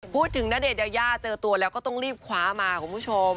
พูดถึงณเดชน์ยาเจอตัวแล้วก็ต้องรีบขวามาครับคุณผู้ชม